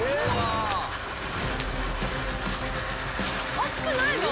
熱くないの？